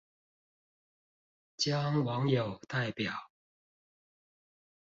將網友代表